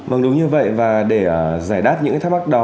vâng đúng như vậy và để giải đáp những cái thắc mắc đó